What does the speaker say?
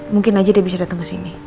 mungkin aja dia bisa dateng kesini